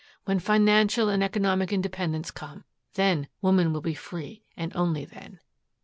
When financial and economic independence come, then woman will be free and only then.